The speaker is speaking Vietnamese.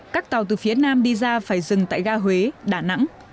các tàu từ phía nam đi ra phải dừng tại ga huế đà nẵng